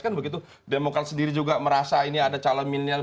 kan begitu demokrat sendiri juga merasa ini ada calon milenial